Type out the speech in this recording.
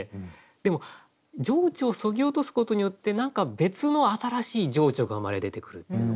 でも情緒をそぎ落とすことによって何か別の新しい情緒が生まれ出てくるっていうのか。